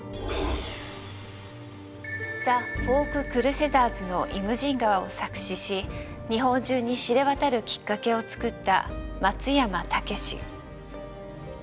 ザ・フォーク・クルセダーズの「イムジン河」を作詞し日本中に知れ渡るきっかけを作った松山猛。